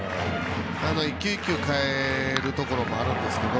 １球１球変えるところもあるんですけど。